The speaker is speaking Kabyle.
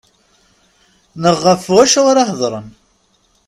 Neɣ ɣef wacu ara hedren.